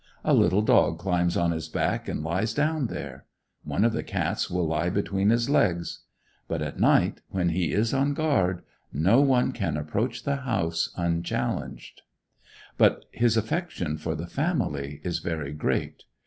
A little dog climbs on his back, and lies down there; one of the cats will lie between his legs. But at night, when he is on guard, no one can approach the house unchallenged. But his affection for the family is very great.